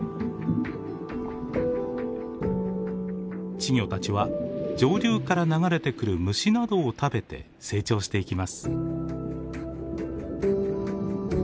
稚魚たちは上流から流れてくる虫などを食べて成長していきます。